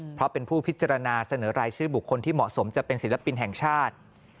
เพราะเป็นผู้พิจารณาเสนอรายชื่อบุคคลที่เหมาะสมจะเป็นศิลปินแห่งชาติ